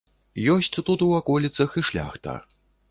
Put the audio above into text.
Ёсць тут у ваколіцах і шляхта.